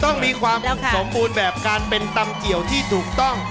ต้องมีความสมบูรณ์แบบการเป็นตำเกี่ยวที่ถูกต้อง